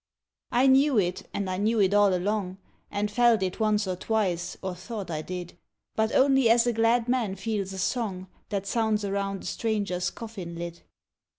I knew it, and I knew it all along, — And felt it once or twice, or thought I did ; But only as a glad man feels a song That sounds around a stranger's coffin lid.